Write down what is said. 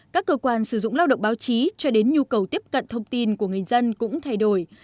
các cơ quan sử dụng lao động báo chí cho đến nhu cầu tiếp cận thông tin của người dân cũng thay đổi